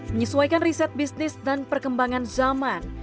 menyesuaikan riset bisnis dan perkembangan zaman